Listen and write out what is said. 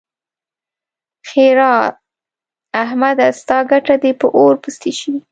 ښېرار: احمده! ستا ګټه دې په اور پسې شي.